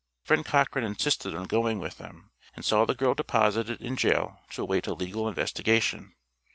Friend Cochran insisted on going with them, and saw the girl deposited in jail to await a legal investigation.